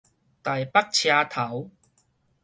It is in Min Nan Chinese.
臺北車頭